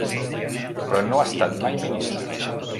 Però no ha estat mai ministre.